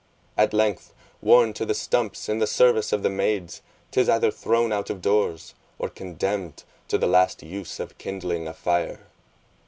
At length, worn to the stumps in the service of the maids, 'tis either thrown out of doors, or condemned to the last use of kindling a fire.